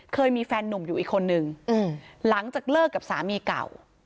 เคยมีแฟนหนุ่มอยู่อีกคนนึงหลังจากเลิกกับสามีเก่า